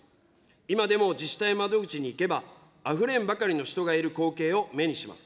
今でも自治体窓口に行けば、あふれんばかりの人がいる光景を目にします。